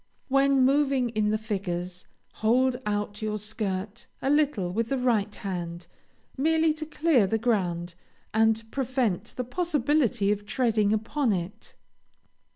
When moving in the figures, hold out your skirt a little with the right hand, merely to clear the ground, and prevent the possibility of treading upon it.